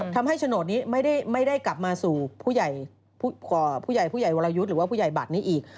โฉนดนี้ไม่ได้กลับมาสู่ผู้ใหญ่ผู้ใหญ่วรยุทธ์หรือว่าผู้ใหญ่บัตรนี้อีก